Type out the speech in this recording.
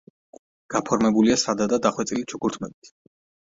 გაფორმებულია სადა და დახვეწილი ჩუქურთმებით.